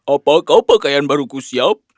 apakah pakaian baru aku siap